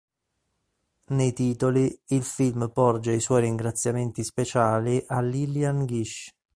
Nei titoli, il film porge i suoi ringraziamenti speciali a Lillian Gish.